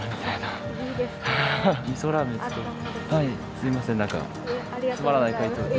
すいませんなんかつまらない回答で。